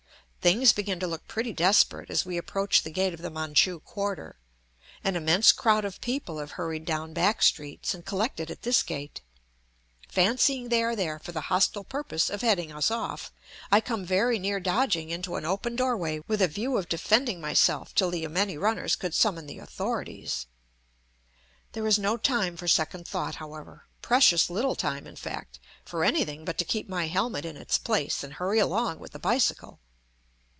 Things begin to look pretty desperate as we approach the gate of the Manchu quarter; an immense crowd of people have hurried down back streets and collected at this gate; fancying they are there for the hostile purpose of heading us off, I come very near dodging into an open door way with a view of defending myself till the yameni runners could summon the authorities. There is no time for second thought, however; precious little time, in fact, for anything but to keep my helmet in its place and hurry along with the bicycle.